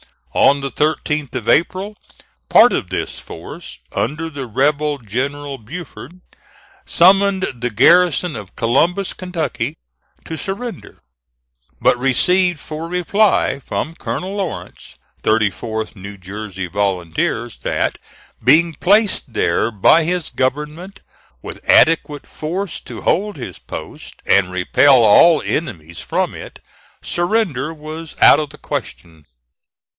On the 13th of April, part of this force, under the rebel General Buford, summoned the garrison of Columbus, Kentucky, to surrender, but received for reply from Colonel Lawrence, 34th New Jersey Volunteers, that being placed there by his Government with adequate force to hold his post and repel all enemies from it, surrender was out of the question.